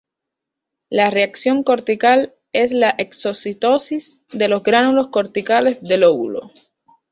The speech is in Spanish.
La reacción cortical es la exocitosis de los gránulos corticales del óvulo.